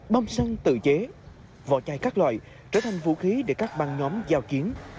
bom xăng tự chế vỏ chai các loại trở thành vũ khí để các băng nhóm giao chiến